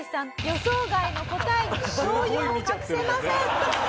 予想外の答えに動揺を隠せません」